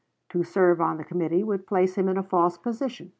To serve on the committee would place him in a false position.